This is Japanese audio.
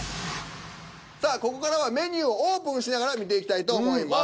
さあここからはメニューをオープンしながら見ていきたいと思います。